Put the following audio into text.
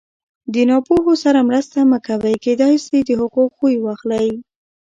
د ناپوهو سره ناسته مه کوئ! کېداى سي د هغو خوى واخلى!